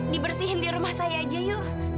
dibersihin di rumah saya aja yuk